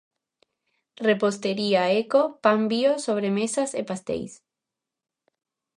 Repostería eco- pan bio, sobremesas e pasteis.